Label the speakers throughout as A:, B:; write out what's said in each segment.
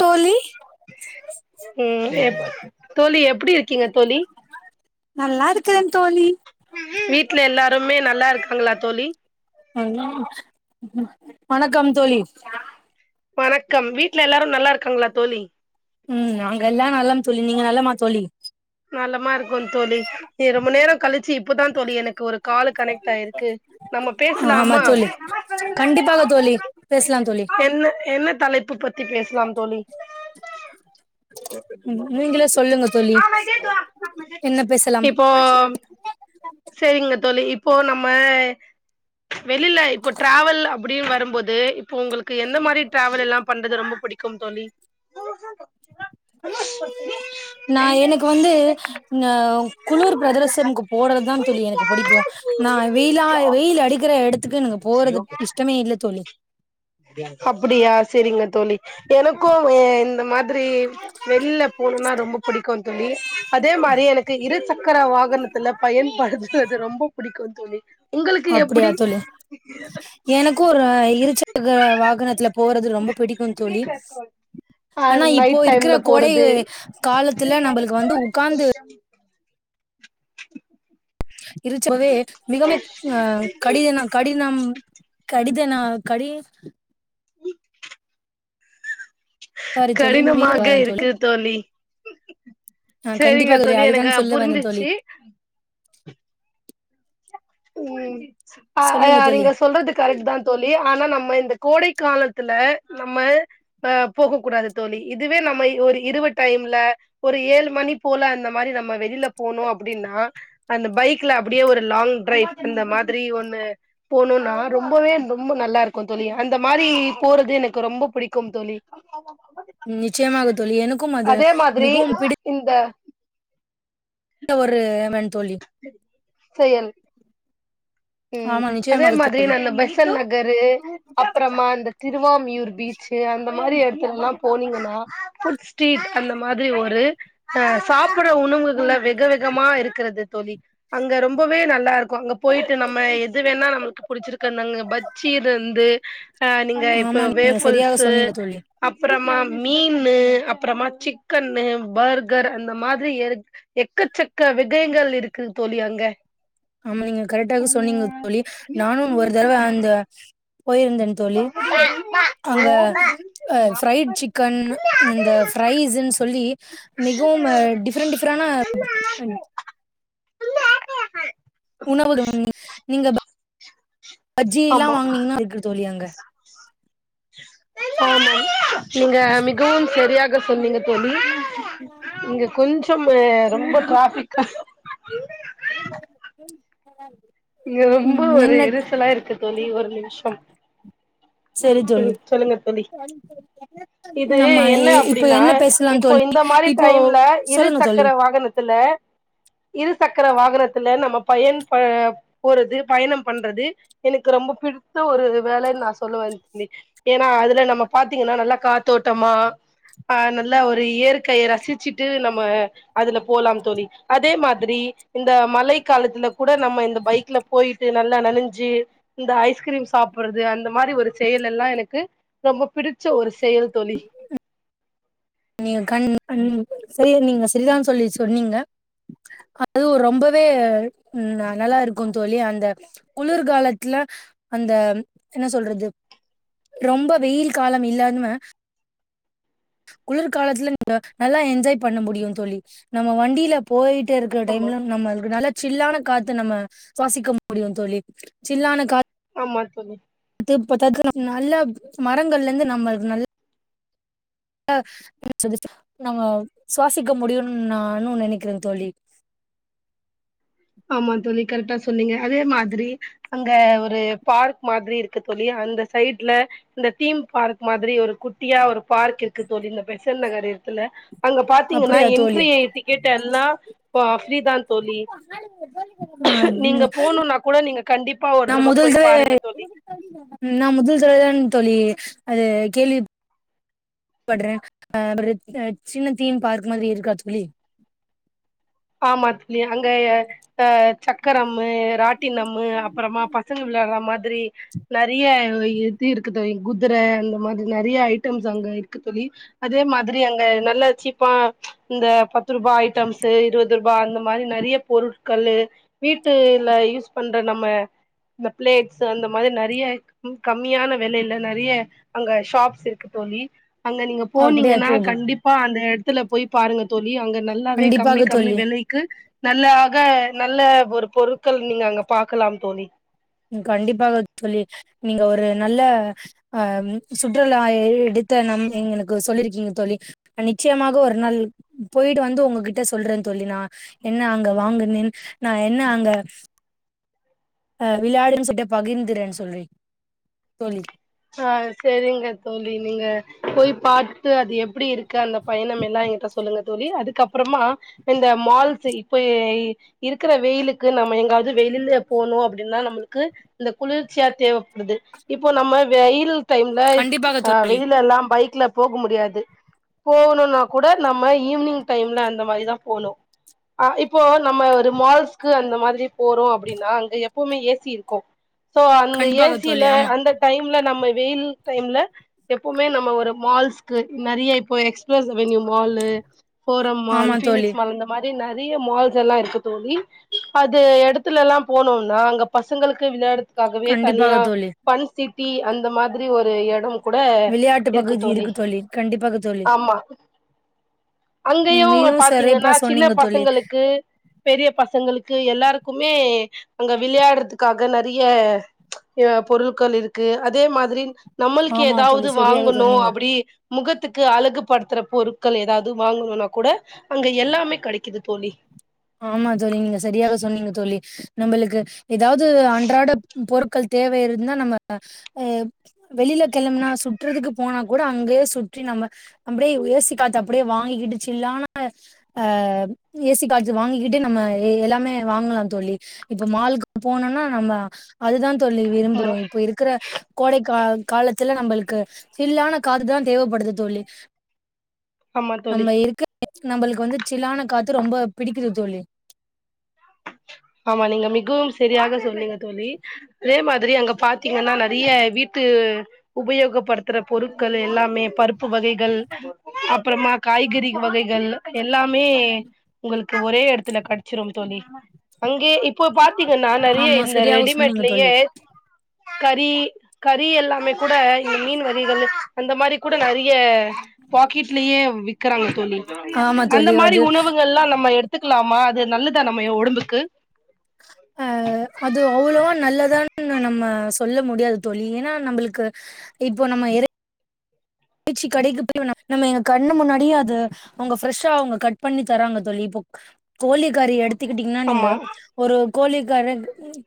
A: தோழி
B: உம் தோழி எப்டி இருக்கீங்க தோழி
A: நல்லா இருக்குறே தோழி
B: வீட்ல எல்லாருமே நல்லா இருக்காங்களா தோழி
A: வணக்கம் தோழி
B: வணக்கம் வீட்ல எல்லாரும் நல்லாருக்காங்களா தோழி
A: ம் நாங்க எல்லா நலம் தோழி நீங்க நலமா தோழி
B: நலமா இருக்கோ தோழி ரொம்ப நேர கழிச்சு இப்பதா தோழி எனக்கு ஒரு கால் கனெக்ட் ஆயிருக்கு நம்ம
A: ஆமா
B: பேசலாமா
A: தோழி கண்டிப்பாக தோழி பேசலா தோழி
B: என்ன என்ன தலைப்பு பத்தி பேசலா தோழி
A: நீங்களே சொல் சொல்லுங்க தோழி என்ன பேசலா
B: இப்போ சேரிங்க தோழி இப்போ நம்ம வெளில இப்போ ட்ரேவல் அப்டின் வரும்போது போ உங்களுக்கு எந்த மாரி ட்ராவல் எல்லா பண்றது ரொம்ப புடிக்கு தோழி
A: நா எனக்கு வந்து அ குளுர் பிரதுரசம்க்கு போறதுதா தோழி எனக்கு புடிக்கு நா வெயிலா வெயில் அடிக்கிற டத்துக்கு நாங்க போறதுக்கு இஷ்டமே இல்ல தோழி
B: அப்டியா செரிங்க தோழி எனக்கும் எ இந்த மாத்ரி வெளில போணும்னா ரொம்ப புடிக்கும் தோழி அதே மாரி எனக்கு இரு சக்கர வாகனத்துல பயன்படுத்துறது ரொம்ப புடிக்கும் தோழி உங்களுக்கு
A: அப்டியா
B: எப்டி
A: தோழி எனக்கு ஒரு இருசக்கர வாகனத்துல போறது ரொம்ப பிடிக்கும் தோழி
B: அ
A: ஆனா இப்போ
B: நைட்
A: இருக்ககுற
B: டைம்ல
A: கோடை
B: போறது
A: காலத்துல நம்மளுக்கு வந்து உக்காந்து இருச்சவே மிக மிக கடியன கடினம் கடிதனா கடி சாரி தோழி மீண்டும்
B: கடினமாக
A: வரேன்
B: இருக்கு தோழி
A: ஆ
B: செரிங்க
A: கண்டிப்பாக
B: தோழி எனக்கு
A: அதுதான் சொல்ல வந்தேன் தோழி
B: புரிஞ்சிச்சு ம்
A: சொல்லுங்க தோழி
B: நீங்க சொல்றது கரெக்ட் தா தோழி ஆனா நம்ம இந்த கோடை காலத்துல நம்மல் போகக் கூடாது தோழி இதுவே நம்ம ஒரு இருப டைம் ல ஒரு ஏழு மணி போல அந்த மாரி நம்ம வெளில போனோ அப்டின்னா அந்த பைக்ல அப்டியே எ ஒரு லாங் அந்த மாத்ரி ஒன்னு போனுனா ரொம்பவே ரொம்ப நல்லா இருக்கு தோழி அந்த மாதிரி போறது எனக்கு ரொம்ப புடிக்கும் தோழி
A: ம், நிச்சயமாக தோழி எனக்கும் அது
B: அதே மாத்ரி
A: மிகவும் பிடித்த
B: இந்த
A: ஒரு வென்
B: செயல் ம்
A: ஆமா
B: அதே
A: நிச்சயமாக
B: மாத்ரி
A: தோழி
B: அந்த பெசல் நகரு அப்றமா இந்த திருவாமியூர் பீச்சு அந்த மாரி எட் துல்லா போனீங்கன்னா புஸ்டீட் அந்த மாத்ரி ஒரு சாப்புட்ட உணவுகள விகவிகமா இருக்குறது தோழி அங்க ரொம்பவே நல்லா இருக்கு அங்க போயிட் நம்ம எது வேணா நம்மளுக்கு புடிச்சிருக் கண்ணங்க பச்சீது வந்து அ நீங்க
A: ஆமா
B: இப்ப
A: நீங்க சரியாக
B: வேஃபுல்ஸு
A: சொன்னீங்க தோழி
B: அப்றமா மீன்னு அப்றமா சிக்கனு பர்கர் அந்த மாரி எக்கச்சக்க விகைகள் இருக்குது தோழி அங்க
A: ஆமா நீங்க கரெக்டாக சொன்னீங்க சொல்லி நானு ஒரு தரவ அந்த போயிருந்தன் தோழி அங்க அஹ பிரைட் சிக்கன் இந்த ஃரைஸ்ன்னு சொல்லி மிகவும் டிஃபரெண்ட் டிஃபரெண்டா உணவுகள் [inaudible] நீங்க ப பஜ்ஜி எல்லா
B: ஆமா
A: வாங்குனீங்கன்னா இருக்கு தோழி அங்க
B: ஆமாம் நீங்க மிகவும் சரியாக சொன்னீங்க தோழி இங்க கொஞ்சம் ரொம்ப டிராஃப்பிக்கா இங்க ரொம்ப
A: ம்
B: ஒரு
A: என்ன
B: இருசலா இருக்கு தோழி ஒரு நிம்ஷம்
A: செரி தோழி
B: ம் சொல்லுங்க தோழி இது
A: நம்ம
B: என்ன
A: இப்ப
B: அப்டின்னா
A: என்ன பேசலா
B: இப்போ
A: தோழி
B: இந்த மாரி
A: இப்போ
B: டைம்ல இரு
A: சொல்லுங்க
B: சக்கர
A: தோழி
B: வாகனத்துல இரு சக்கர வாகனத்துல நம்ம பயன் ப போறது பயணம் பண்றது எனக்கு ரொம்ப பிடித்த இது ஒரு வேலன்னு நா சொல்லுவன் தோழி ஏன்னா அதுல நம்ம பாத்தீங்கன்னா நல்லா காத்தோட்டமா ஆ நல்லா ஒரு இயற்கைய ரசுச்சுட்டு நம்ம அதுல போலாம் தோழி அதே மாதிரி இந்த மழை காலத்துல கூட நம்ம இந்த பைக்ல போய்ட்டு நல்லா நனஞ்சு இந்த ஐஸ்கிரீம் சாப்பற்றது அந்த மாரி ஒரு செயல் எல்லா எனக்கு ரொம்ப பிடிச்ச ஒரு செயல் தோழி
A: நீங்க கண் [inaudible] சேரி நீங்க சரிதான் தோழி சொன்னீங்க அது ரொம்பவே ம் நல்லா இருக்கு தோழி அந்த குளுர்காலத்தில் ல அந்த என்ன சொல்றது ரொம்ப வெயில் காலம் இல்லாம குளுர்காலத்துல நம்ம நல்லா என்ஜாய் பண்ண முடியு தோழி நம்ம வண்டில போய்ட் டு இருக்குற
B: ஆமா
A: டைம்ல நம்மளுக்கு நல்ல சில்லான காத்து நம்ம சுவாசிக்க முடியு தோழி சில்லான காத்
B: மட்டு [unintelligible]
A: அதுப்பத்தாத்க்கு நம்ம நல்ல மரங்கள்ல இருந்து நம்ம நல் ல [inaudible] நம்ம சுவாசிக்க முடியுன்னு நானு நெனைக்கிறே தோழி
B: ஆமா தோழி கரெக்டா சொன்னீங்க அதே மாதிரி அங்க ஒரு பார்க் மாதிரி இருக்கு தோழி அந்த சைட்ல இந்த தீம் பார்க் மாதிரி ஒரு குட்டியா ஒரு பார்க் இருக்கு தோழி இந்த பெசண்ட் நகரு த்துல அங்க பாத்தீங்கன்னா
A: அப்படியா தோழி
B: என்ட்ரி டிக்கெட் எல்லா அ ஃப்ரீதா தோழி
A: ஆ
B: நீங்க போனுனா கூட நீங்க கண்டிப்பா ஒரு
A: நா
B: தடவ
A: முதல்
B: போய்
A: த
B: பாருங்க தோழி
A: நா முதல் தடவயாதான் தோழி அது கேள்வி பட்றே அ [inaudible] சின்ன தீம் பார்க் மாதிரி இருக்கா தோழி
B: ஆமா தோழி அங்க அ சக்கரம்மு ராட்டினம்மு அப்பறமா பசங்க விளையாட்ர மாதிரி நெறைய [unintelligible] இருக்கு குதுர அந்த மாதிரி நெறைய ஐட்டம்ஸ் அங்க இருக்கு தோழி அதே மாதிரி அங்க என்ன நல்ல சீப்பா இந்த பத்து ரூபா ஐட்டம்ஸு இருவது ரூபா அந்த மாரி நெறைய பொருட்கள்ளு வீட்டுல யூஸ் பண்ற நம்ம இந்த பிளேட்ஸ் அந்த மாரி நெறைய கம்மியான வெலேல நெறைய அங்க ஷாப்ஸ் இருக்கு தோழி அங்க நீங்க
A: அப்படியா
B: போனீங்கன்னா
A: தோழி
B: கண்டிப்பா அந்த எடத்துல போய் பாருங்க தோழி அங்க நல்லாவே கம்மி
A: கண்டிப்பாக
B: கம்மி
A: தோழி
B: வெலைக்கு நல்லாக நல்ல ஒரு பொருட்கள் நீங்க அங்க பாக்கலாம் தோழி
A: கண்டிப்பாக தோழி நீங்க ஒரு நல்ல அ சுற்றுலா எ எடு த்த நம் எங்களுக்கு சொல்லிருக்கீங்க தோழி நிச்சயமாக ஒரு நாள் போய்ட்டு வந்து உங்ககிட்ட சொல்றே தோழி நா என்ன அங்க வாங்குனேன் நா என்ன அங்க அ விளாடுனேன்னு சொல்ட்டு பகிர்ந்துறேன்னு சொல்றி தோழி
B: ஆ சரிங்க தோழி நீங்க போய் பாத்து அது எப்டி இருக்கு அந்த பயணம் எல்லா ஏன்ட சொல்லுங்க தோழி அதுக்கப்பறமா இந்த மால்ஸ் இப்போ இருக்குற வெயிலுக்கு நம் ம எங்காவது வெளில போணும் அப்புடின்னா நம்மளுக்கு இந்த குளுர்ச்சியா தேவப்படுது இப்போ நம்ம வெயில் டைம்ல
A: கண்டிப்பாக
B: அ
A: தோழி
B: வெளிலலாம் பைக்ல போக முடியாது போகணுனா கூட நம்ம ஈவ்னிங் டைம்ல அந்த மாரிதா போணு ஆ இப்போ நம்ம ஒரு மால்ஸ்க்கு அந்த மாதிரி போறோ அப்புடின்னா அங்க எப்பொமே ஏ சி இருக்கு சோ அங்க ஏ
A: கண்டிப்பாக
B: சில
A: தோழி ஆமா
B: அந்த டைம் ல நம்ம வெயில் டைம்ல எப்பொமே நம்ம ஒரு மால்ஸ்க்கு நெறைய இப்ப Express Avenue mall, Forum mall,
A: ஆமா தோழி
B: பீனிக்ஸ் மால் இந்த மாரி நெறயா மால்ஸ் எல்லா இருக்கு தோழி அது எடத்துல எல்லா போனுனா அங்க பசங்களுக்கு விளையாட துக்காகவே
A: கண்டிப்பாக
B: தனியா
A: தோழி
B: ஃபன் சிட்டி அந்த மாதிரி ஒரு எடம் கூட
A: விளையாட்டு
B: இருக்கு
A: பகுதி
B: தோழி
A: கண்டிப்பாக தோழி
B: ஆமா
A: நீங்க
B: அங்கயு
A: மிகவும் சிறப்பா
B: பாத்தீங்கன்னா சின்ன
A: சொன்னீங்க தோழி
B: பசங்களுக்கு பெரிய பசங்களு க்கு எல்லாருக்குமே அங்க விளையாடறதுக்காக நெறயா பொருட்கள் இரு க்கு அதே மாதிரி நம்மளுக்கு
A: ஆமா தோழி
B: எதாவது
A: சரியாக
B: வாங்கனு
A: சொன்னீங்க
B: அப்டி முகத்துக்கு அழகு படுத்துற பொருட்கள் எதாவது வாங்கணுனா கூட அங்க எல்லாமே கெடைக்குது தோழி
A: ஆமா தோழி நீங்க சரியாக சொன்னீங்க தோழி நம்மளுக்கு எதாவது அன்றாட பொரு ட்கள் தேவை இருந்தா நம்ம வெளில கிளம்பனா சுற்றுறதுக்கு போனா கூட அங்கயே சு ற்றி நம்ம அப்டியே ஏ சி காத்த அப்டியே வாங்கி கிட்டு சில்லான ஏ சி கா த்த வாங்கிக்கிட்டே நம்ம எல்லாமே வாங்கலான் தோழி இப்ப மால்க்கு போனொன்ன நம்ம அதுதான் தோழி விரும்புறோ
B: ஆமா
A: இப்போ இருக்கிற கோடைக் காலத்துல நம்ள்க்கு சில்லான கார்தான் தேவைப்படுது தோழி
B: ஆமா தோழி
A: நம்ள்க்கு வந்து சில்லான காத்து ரொம்ப பிடிக்குது தோழி
B: ஆமா நீங்க மிகவும் சரியாக சொன்னீங்க தோழி அதே மாதிரி அங்க பாத்தீங்கன்னா நெறயா வீட் து உபயோகப்படுத்துற பொருட்கள் எல்லாமே பருப்பு வகைகள் அப்பறமா கா ய்கறி வகைகள் எல்லாமே உங்களுக்கு ஒரே எடத்துல கெடைச்சிரும் தோழி அங்யே இப்போ பாத்தீங்கன்னா நெறய
A: ஆமா
B: இந்த
A: சரியாக சொன்னீங்க
B: ரெடிமேட்லயே
A: தோழி.
B: கறி கறி எல்லாமே கூட இந்த மீன் வகைகள் அந்த மாரி கூட நெறய பாக்கெட்லயே விக்கிறாங்க தோழி
A: ஆமா
B: அந்த
A: தோழி
B: மாரி
A: அது
B: உணவுகள் எல்லா நம்ம எடுத் துக்கலாமா அது நல்லதா நம்ம ஒடம்புக்கு
A: ஆ அது அவ்ளோவா நல்லதான் னு நம்ம சொல்ல முடியாது தோழி ஏனா நம்ள்க்கு இப்போ நம்ம எரே இறைச்சி கடைக்கு போய் நம்ம கண்ணு முன்னாடியே அது அவுங்க ஃப்ரெஷ்ஷா அவுங்க கட் பண்ணி தராங்க தோழி இப்போ கோழிக்காரி எடுத்துக்கிட்டீங்கன்னா நீங்க
B: ஆமா
A: ஒரு கோழி கரன்ங்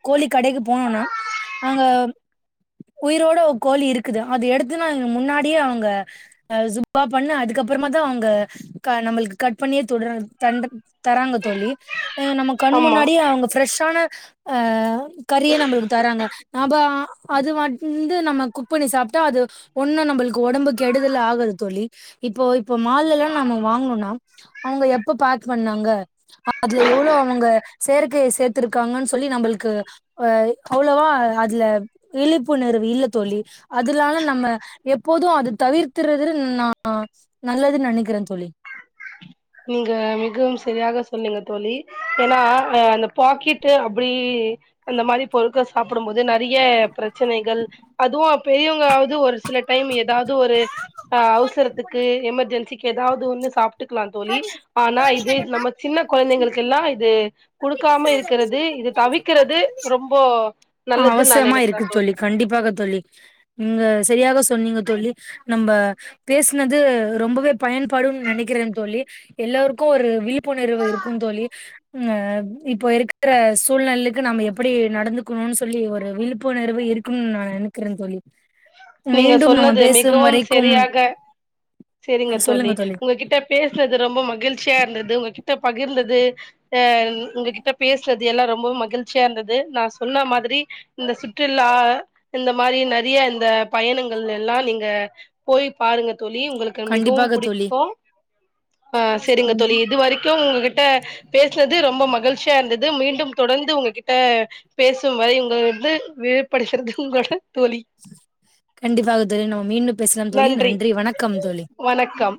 A: கோழி கடைக்கு போனோன்னா அங்க உயிரோட ஒரு கோழி இருக்குது அது எடுத்து நாங் முன்னாடியே அவுங் க சுப்பா பண்ண அதுக்கப்பறமாதா அவுங்க க நம்ள்க்கு கட் பண்ணியே தொடறாங்க தண்ட தராங்க தோழி நம்ம கண்
B: ஆமா
A: முன்னாடியே அவுங்க ஃப்ரெஷ்ஷான அ கறியே நம்மளுக்கு தராங்க நாம்பா அது வந்து நம்ம குக் பண்ணி சாப்ட்டா அது ஒண்ணு நம்ள்க்கு ஒடம்புக்கு இப்போ இப்போ மால்லல்லா நாம வாங்ணோனா அவுங்க எப்ப பாக் பண்ணாங்க அதுல எவ்ளோ அவுங்க செயற்கையை சேர்த்துருக்காங்கன்னு சொல்லி நம்ள்க்கு அவ்ளவா அதுல விழிப்புணர்வு இல்ல தோழி அதுனால நம்ம எப்போது அது தவிர்த்ர்றது நா நல்லதுனு நெனைக்கிறேன் தோழி
B: நீங்க மிகவும் சரியாக சொன்னீங்க தோழி ஏனா அந்த பாக்கெட் அப்டி அந்த மாரி பொருட்கள் சாப்பிடும்போது நெறயா பிரச்சனைகள் அதுவு பெரியவங்காவது ஒரு சில டைம் எதாவது ஒரு அவசரத்துக்கு எமர்ஜென்சிக்கு எதாவது ஒன்னு சாப்ட்டுக்கலா தோழி ஆனா இது நம்ம சின்ன கொழந்தைங்களுக்கெல்லா இது குடுக்காம இருக்கிறது இது தவிக்கிறது ரொம்போ நல்லதுன்னு நா நினைக்கிறேன் தோழி
A: பாக தோழி நீங்க சரியாக சொன்னீங்க தோழி நம்ப பேசுனது ரொம்பவே பயன்படுனு நினைக்கிறேன் தோழி எல்லோருக்கு ஒரு விழிப்புணர்வு இருக்கும் தோழி இப்போ இருக்கிற சூழ்நிலைக்கு நம்ம எப்படி நடந்துக்கணுனு சொல்லி ஒரு விழிப்புணர்வு இரு க்குன்னு நா நெனக்கிறேன் சொல்லி
B: நீங்க சொன்னது மிகவும் சரியாக
A: ஆ
B: செரிங்க தோழி
A: சொல்லுங்க
B: உங்ககிட்ட பேசினது ரொம்ப மகிழ் சியா இருந்தது உங்ககிட்ட பகிர்ந்தது அ உங்ககிட்ட பேசுனது எல்லா ரொம்பவு மகிழ்ச்சியா இருந்தது நா சொன்ன மாதிரி இந்த சுற்றுலா இந்த மாரி நெறைய இந்த பயணங்கள் எல்லா நீங்க போய் பாருங்க தோழி உங்களுக்கு மிகவும்
A: கண்டிப்பாக தோழி
B: புடிக்கு ஆ சேரிங்க தோழி இதுவரைக் கு உங்ககிட்ட பேசுனது ரொம்ப மகிழ்ச்சியா இருந்தது மீண்டும் தொடர்ந்து உங்ககிட்ட பேசும் வ ரை இங்க இருந்து விடைப்படுகிறது உங்ளோட தோழி
A: கண்டிப்பாக தோழி நம்ம மீண்டும் பேசலாம் தோழி நன்றி வணக்கம் தோழி
B: வணக்கம்